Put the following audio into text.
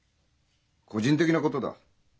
個人的なことだ。